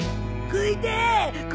食いてえ！